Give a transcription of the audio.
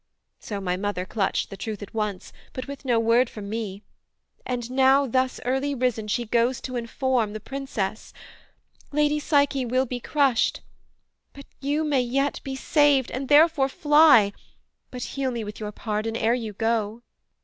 So my mother clutched The truth at once, but with no word from me; And now thus early risen she goes to inform The Princess: Lady Psyche will be crushed; But you may yet be saved, and therefore fly; But heal me with your pardon ere you go.'